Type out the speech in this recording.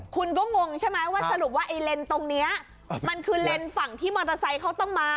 คุณก็งงใช่ไหมว่าสรุปว่าไอ้เลนส์ตรงนี้มันคือเลนส์ฝั่งที่มอเตอร์ไซค์เขาต้องมา